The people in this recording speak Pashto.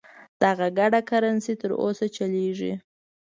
دغه ګډه کرنسي تر اوسه چلیږي.